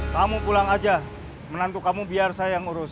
kamu pulang aja menantu kamu biar saya yang ngurus